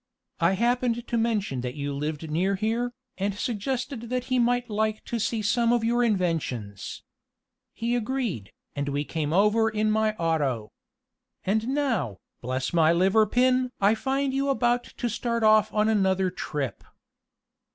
I happened to mention that you lived near here, and suggested that he might like to see some of your inventions. He agreed, and we came over in my auto. And now, bless my liver pin! I find you about to start off on another trip."